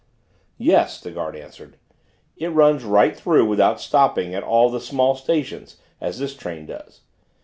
"Yes," the guard answered; "it runs right through without stopping at all the small stations as this train does.